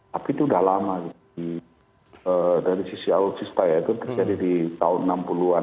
tapi itu sudah lama dari sisi alutsista itu terjadi di tahun enam puluh an